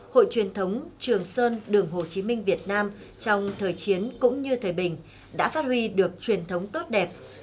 hội truyền thống trường sơn đường hồ chí minh việt nam trong thời chiến cũng như thời bình đã phát huy được truyền thống tốt đẹp